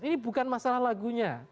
ini bukan masalah lagunya